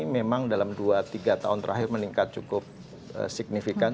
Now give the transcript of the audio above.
memang dalam dua tiga tahun terakhir meningkat cukup signifikan